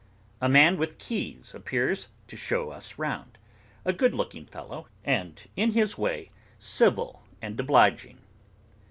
A man with keys appears, to show us round. A good looking fellow, and, in his way, civil and obliging.